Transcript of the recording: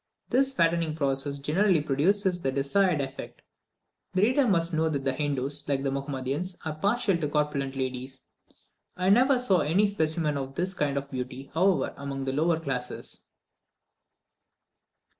This fattening process generally produces the desired effect. The reader must know that the Hindoos, like the Mahomedans, are partial to corpulent ladies. I never saw any specimens of this kind of beauty, however, among the lower classes.